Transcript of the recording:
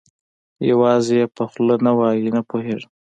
یوازې یې په خوله نه وایي، نه پوهېږم.